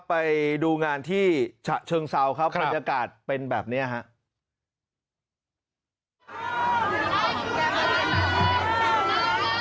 ไปดูงานที่ฉะเชิงเซาครับบรรยากาศเป็นแบบนี้ครับ